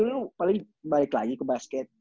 dulu paling balik lagi ke basket